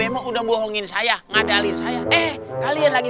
mereka es neraka